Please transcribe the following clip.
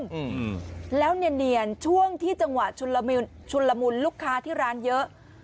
อืมแล้วเนียนเนียนช่วงที่จังหวะชุนละมุนชุนละมุนลูกค้าที่ร้านเยอะ